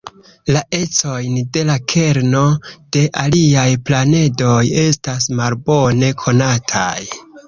La ecojn de la kerno de aliaj planedoj estas malbone konataj.